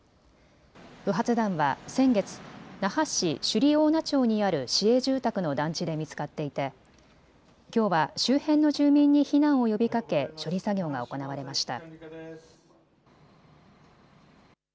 不発弾は先月、那覇市首里大名町にある市営住宅の団地で見つかっていてきょうは周辺の住民に避難を呼びかけ処理作業が行われました。